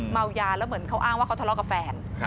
เมายาแล้วเหมือนเขาอ้างว่าเขาทะเลาะกับแฟน